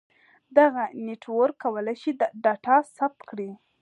دغه نیټورک کولای شي ډاټا ثبت کړي.